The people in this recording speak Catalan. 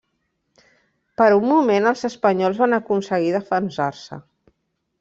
Per un moment, els espanyols van aconseguir defensar-se.